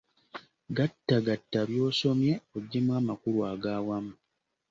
Gattagatta by'osomye oggyemu amakulu aga wamu.